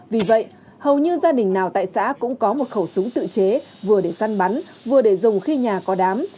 vì vậy hầu như gia đình nào tại xã cũng có một khẩu súng tự chế vừa để săn bắn vừa để dùng khi nhà có đám